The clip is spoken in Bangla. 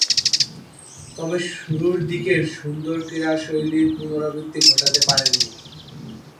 তবে, শুরুর দিকের সুন্দর ক্রীড়াশৈলীর পুণরাবৃত্তি ঘটাতে পারেননি।